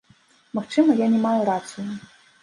Магчыма, я не мае рацыю.